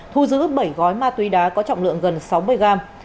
thu giữ bảy gói ma túy đá có trọng lượng gần sáu mươi gram